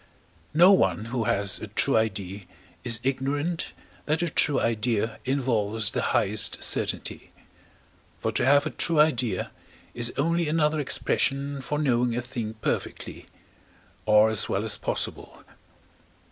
No one, who has a true idea, is ignorant that a true idea involves the highest certainty. For to have a true idea is only another expression for knowing a thing perfectly, or as well as possible.